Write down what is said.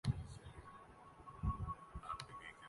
ایک اور بات کا ذکر شاید ضروری ہے۔